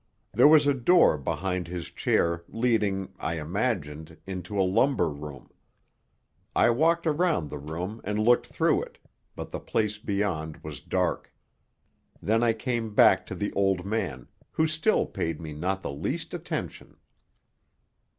There was a door behind his chair leading, I imagined, into a lumber room. I walked around the room and looked through it, but the place beyond was dark. Then I came back to the old man, who still paid me not the least attention.